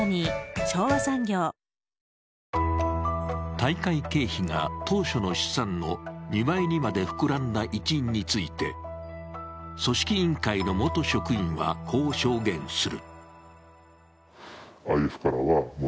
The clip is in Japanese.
大会経費が当初の試算の２倍にまで膨らんだ一因について組織委員会の元職員は、こう証言する。